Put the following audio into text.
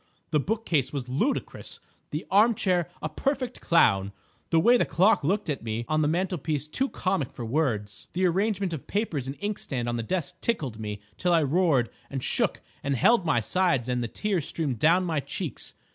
The bookcase was ludicrous, the arm chair a perfect clown, the way the clock looked at me on the mantelpiece too comic for words; the arrangement of papers and inkstand on the desk tickled me till I roared and shook and held my sides and the tears streamed down my cheeks.